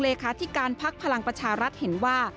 หลักเลยค้าที่การพักพลังประชารัฐเห็นว่า